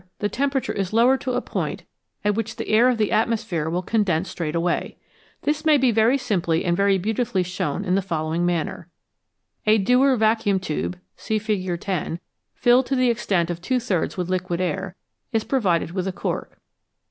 the temperature is lowered to a point at which the air of the atmosphere will condense straight away. This may be very simply and very beautifully shown in the following manner. A Dewar vacuum tube (see Fig. 10), filled, to the extent of two thirds with liquid air, is provided with a cork.